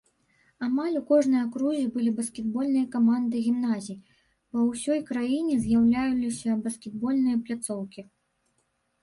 Амаль у кожнай акрузе былі баскетбольныя каманды гімназій, па ўсёй краіне з'яўляліся баскетбольныя пляцоўкі.